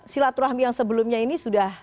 silaturahmi yang sebelumnya ini sudah